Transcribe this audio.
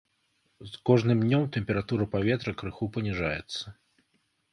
З кожным днём тэмпература паветра крыху паніжаецца.